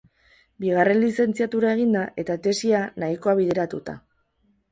Bigarren lizentziatura eginda, eta tesia nahikoa bideratuta.